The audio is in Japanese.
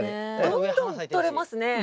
どんどんとれますね。